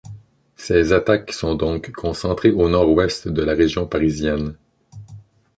Ces attaques sont donc concentrées au nord-ouest de la région parisienne.